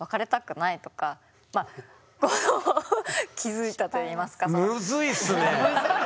気付いたといいますか。